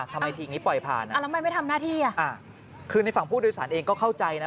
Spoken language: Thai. ทำไมทีนี้ปล่อยผ่านนะคือในฝั่งผู้โดยสารเองก็เข้าใจนะ